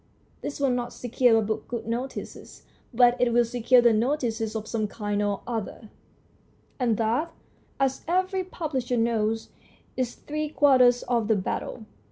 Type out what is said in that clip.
This will not secure a book good notices, but it will secure it notices of some kind or other, and that, as every publisher knows, is three quarters of the battle.